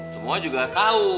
semua juga tahu